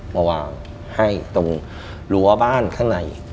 มาวางให้ตรงรั้วบ้านข้างใน